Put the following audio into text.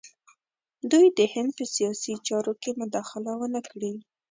دوی د هند په سیاسي چارو کې مداخله ونه کړي.